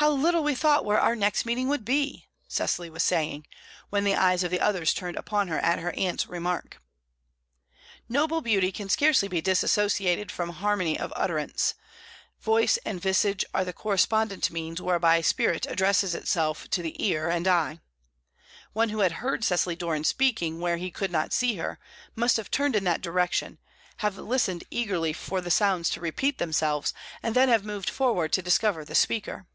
"How little we thought where our next meeting would be!" Cecily was saying, when the eyes of the others turned upon her at her aunt's remark. Noble beauty can scarcely be dissociated from harmony of utterance; voice and visage are the correspondent means whereby spirit addresses itself to the ear and eye. One who had heard Cecily Doran speaking where he could not see her, must have turned in that direction, have listened eagerly for the sounds to repeat themselves, and then have moved forward to discover the speaker.